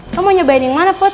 kau mau nyobain yang mana put